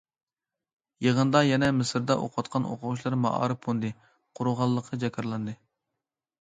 يىغىندا يەنە« مىسىردا ئوقۇۋاتقان ئوقۇغۇچىلار مائارىپ فوندى» قۇرۇلغانلىقى جاكارلاندى.